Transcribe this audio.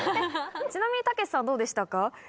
ちなみにたけしさんどうでしたか？